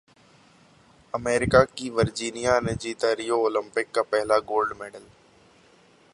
America की Virginia ने जीता रियो ओलंपिक का पहला गोल्ड मेडल